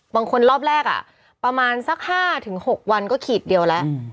รอบแรกประมาณสัก๕๖วันก็ขีดเดียวแล้ว